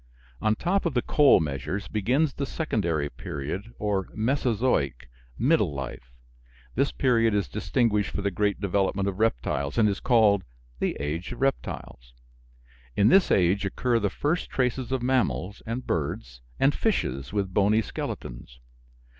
On top of the coal measures begins the Secondary period, or "Mesozoic" (middle life). This period is distinguished for the great development of reptiles, and is called the "age of reptiles." In this age occur the first traces of mammals, and birds, and fishes with bony skeletons.